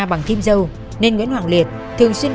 anh giết người